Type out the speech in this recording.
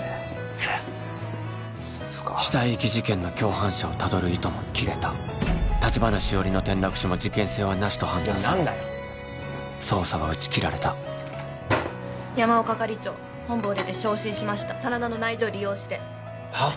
そや死体遺棄事件の共犯者をたどる糸も切れた橘しおりの転落死も事件性はなしと判断され捜査は打ち切られた山尾係長本部を出て昇進しました真田の内情利用してはっ？